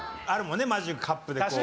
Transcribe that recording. あるもんねマジックカップで。